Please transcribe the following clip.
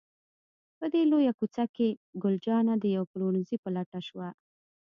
په دې لویه کوڅه کې، ګل جانه د یوه پلورنځي په لټه شوه.